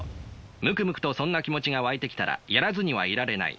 ムクムクとそんな気持ちが湧いてきたらやらずにはいられない。